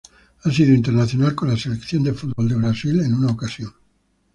Ha sido internacional con la Selección de fútbol de Brasil en una ocasión.